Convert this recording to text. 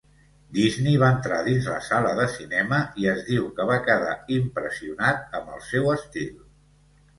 Disney va entrar dins la sala de cinema i es diu que va quedar impressionat amb el seu estil.